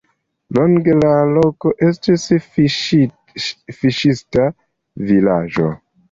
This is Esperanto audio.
Longe la loko estis fiŝista vilaĝo.